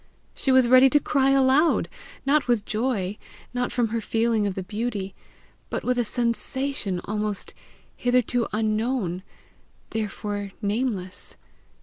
She was ready to cry aloud, not with joy, not from her feeling of the beauty, but with a SENSATION almost, hitherto unknown, therefore nameless.